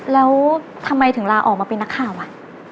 แล้วทำไมถึงลาออกมาเป็นนักข่าวอ่ะ